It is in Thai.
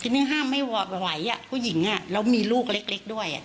ง่ายห้ามให้ไหวแหละผู้หญิงแล้วมีลูกเล็กด้วย